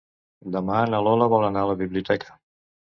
Demà na Lola vol anar a la biblioteca.